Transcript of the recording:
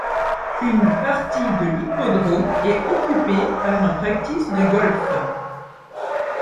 Une partie de l'hippodrome est occupée par un practice de golf.